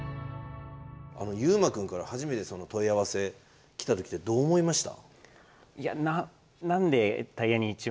ゆうまくんから初めて問い合わせ来た時ってどう思いました？